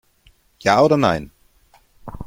Ja oder nein?